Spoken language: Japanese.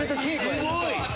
すごい！